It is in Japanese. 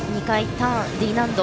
ターンＤ難度。